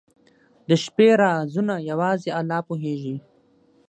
• د شپې رازونه یوازې الله پوهېږي.